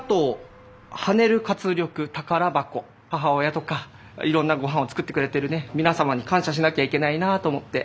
母親とかいろんなごはんを作ってくれてる皆様に感謝しなきゃいけないなと思って。